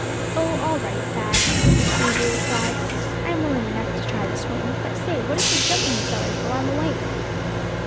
"Oh! all right, Thad;" Davy replied; "I'm willin' enough to try the swim; but say, what if they jump on you fellers while I'm away?"